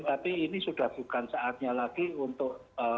tapi ini sudah bukan saatnya lagi untuk